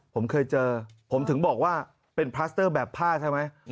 ผมเคยเจอผมถึงบอกว่าเป็นพลัสเตอร์แบบผ้าใช่ไหม